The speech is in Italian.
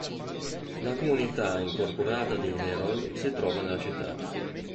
La comunità incorporata di Herold si trova nella città.